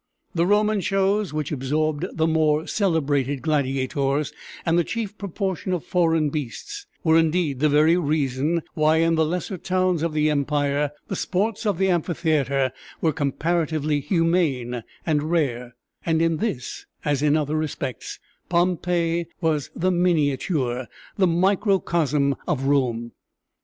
The Roman shows, which absorbed the more celebrated gladiators and the chief proportion of foreign beasts, were indeed the very reason why in the lesser towns of the empire the sports of the amphitheatre were comparatively humane and rare; and in this as in other respects, Pompeii was the miniature, the microcosm of Rome.